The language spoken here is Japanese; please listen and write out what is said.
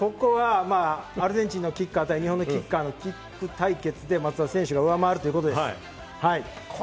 アルゼンチンのキッカー対日本のキッカー、キック対決で松田選手が上回るということです。